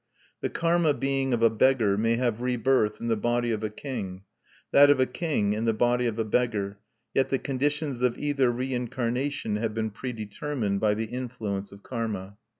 The karma being of a beggar may have rebirth in the body of a king; that of a king in the body of a beggar; yet the conditions of either reincarnation have been predetermined by the influence of karma.